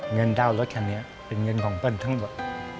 เงินดาวรถคันนี้เป็นเงินของเปิ้ลทั้งหมด